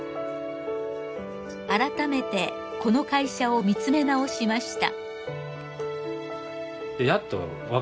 改めてこの会社を見つめ直しました。